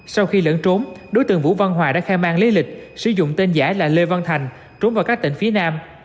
sau khi lẫn trốn đối tượng vũ văn hòa đã khai man lý lịch sử dụng tên giả là lê văn thành trốn vào các tỉnh phía nam